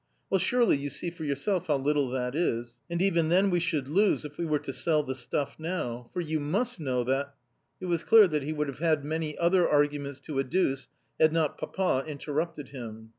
"Well, surely you see for yourself how little that is? And even then we should lose if we were to sell the stuff now, for you must know that " It was clear that he would have had many other arguments to adduce had not Papa interrupted him.